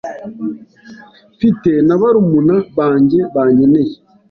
mfite na barumuna banjye bankeneye.